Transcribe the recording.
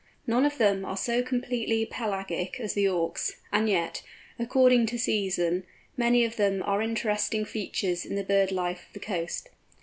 None of them are so completely pelagic as the Auks, and yet, according to season, many of them are interesting features in the bird life of the coast.